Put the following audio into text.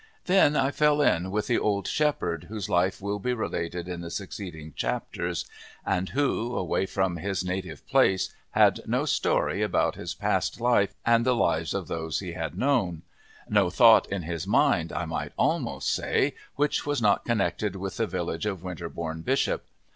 Then I fell in with the old shepherd whose life will be related in the succeeding chapters, and who, away from his native place, had no story about his past life and the lives of those he had known no thought in his mind, I might almost say, which was not connected with the village of Winterbourne Bishop.